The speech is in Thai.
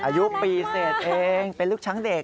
อายุปีเสร็จเองเป็นลูกช้างเด็ก